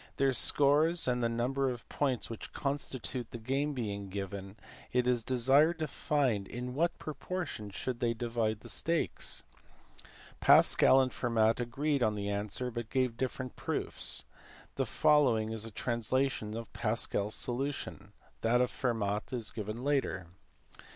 Their scores and the number of points which constitute the game being given, it is desired to find in what proportion should they divide the stakes. Pascal and Fermat agreed on the answer, but gave different proofs. The following is a translation of Pascal s solution. That of Fermat is given later.